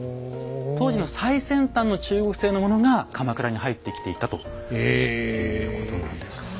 当時の最先端の中国製のものが鎌倉に入ってきていたということなんです。